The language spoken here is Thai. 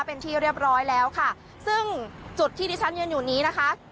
เป็นที่เรียบร้อยแล้วค่ะซึ่งจุดที่ที่ฉันยืนอยู่นี้นะคะ